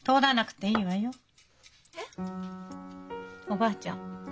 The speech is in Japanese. おばあちゃん